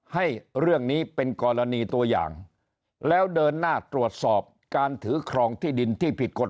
ให้เรื่องนี้เป็นกรณีตัวอย่างแล้วเดินหน้าตรวจสอบการถือครองที่ดินที่ผิดกฎ